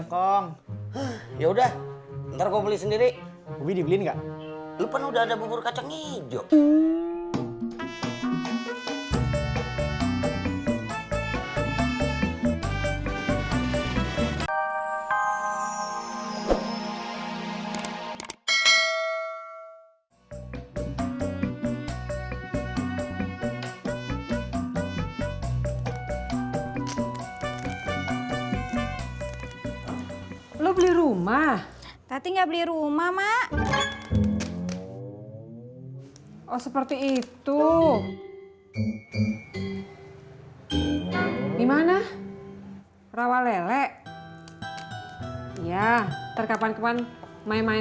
sampai jumpa di video selanjutnya